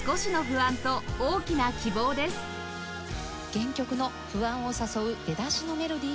原曲の不安を誘う出だしのメロディーが秀逸。